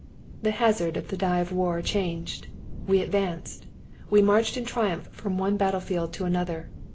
The hazard of the die of war changed. We advanced. We marched in triumph from one battle field to another.